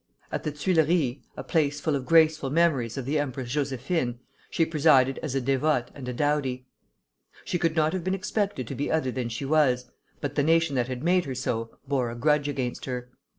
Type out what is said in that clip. At the Tuileries, a place full of graceful memories of the Empress Josephine, she presided as a dévote and a dowdy. She could not have been expected to be other than she was, but the nation that had made her so, bore a grudge against her.